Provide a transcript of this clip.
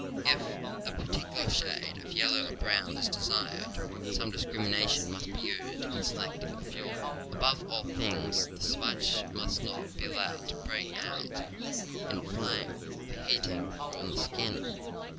If a particular shade of yellow or brown is desired, some discrimination must be used in selecting the fuel. Above all things, the smudge must not be allowed to break out in flame, for heating would ruin the skin.